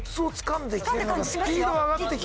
スピード上がってきてる。